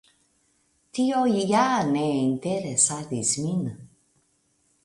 Tio ja ne interesadis min.